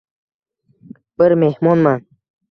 Bir mehmonman.